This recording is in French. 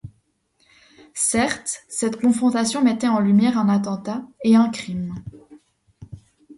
Certes, cette confrontation mettait en lumière un attentat, et un crime.